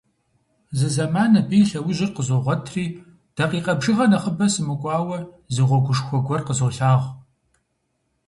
Зы зэман абы и лъэужьыр къызогъуэтри, дакъикъэ бжыгъэ нэхъыбэ сымыкӀуауэ, зы гъуэшхуэ гуэр къызолъагъу.